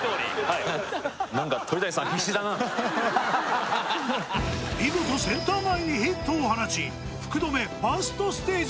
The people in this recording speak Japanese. はい何か見事センター前にヒットを放ち福留ファーストステージ